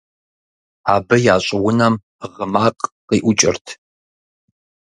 Абы я щӀыунэм гъы макъ къиӏукӏырт.